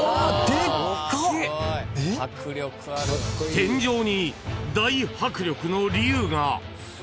［天井に大迫力の龍が！］